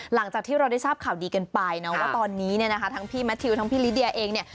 หลังจากที่เราได้ทราบข่าวดีกันไปนะว่าตอนนี้เนี่ยนะคะทั้งพี่แมททิวทั้งพี่ลิเดียเองเนี่ย